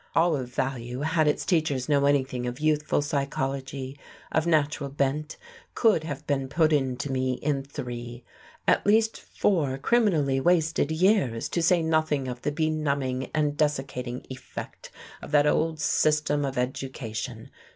All of value, had its teachers known anything of youthful psychology, of natural bent, could have been put into me in three. At least four criminally wasted years, to say nothing of the benumbing and desiccating effect of that old system of education!